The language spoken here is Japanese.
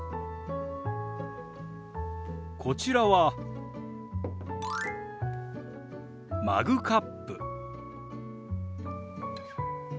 こちらはマグカップ。